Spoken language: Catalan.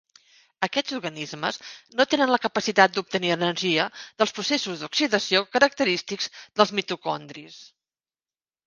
Aquests organismes no tenen la capacitat d'obtenir energia dels processos d'oxidació característics dels mitocondris.